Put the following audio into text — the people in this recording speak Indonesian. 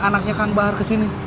anaknya kang bahar kesini